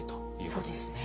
そうですね。